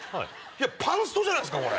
パンストじゃないっすか！